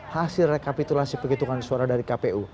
hasil rekapitulasi penghitungan suara dari kpu